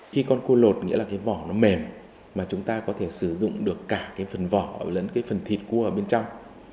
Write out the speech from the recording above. khi con cua lột nghĩa là cái vỏ nó mềm mà chúng ta có thể sử dụng được cả cái phần vỏ lẫn cái phần thịt cua ở bên trong